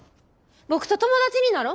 僕と友達になろ。